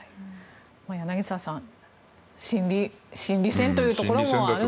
柳澤さん心理戦というところもあるんでしょうね。